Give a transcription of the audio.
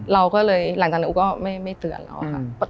เราก็เลยหลังจากนั้นอูก็ไม่เตือนเราค่ะ